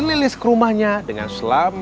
anterin lilis ke rumahnya dengan selama lima jam